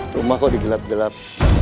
rumah kok digelap gelap